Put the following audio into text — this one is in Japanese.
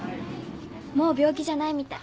もう病気じゃないみたい。